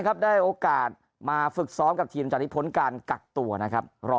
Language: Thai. ได้โอกาสมาฝึกซ้อมกับทีมจากที่พ้นการกักตัวนะครับรอ